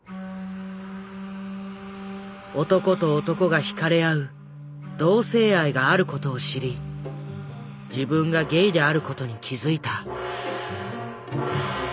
男と男が惹かれ合う同性愛がある事を知り自分がゲイである事に気付いた。